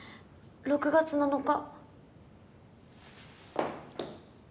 ６月７日。